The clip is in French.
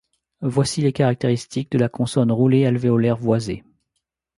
Voici les caractéristiques de la consonne roulée alvéolaire voisée.